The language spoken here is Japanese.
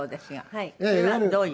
はい。